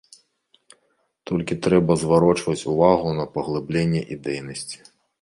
Толькі трэба зварочваць увагу на паглыбленне ідэйнасці.